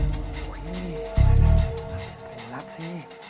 ปูลับสิ